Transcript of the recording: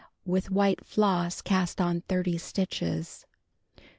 With white floss cast on 30 stitches.